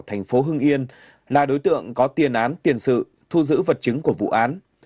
thành phố hưng yên là đối tượng có tiền án tiền sự thu giữ vật chứng của vụ án